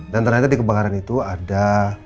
dan ternyata di kebakaran itu ada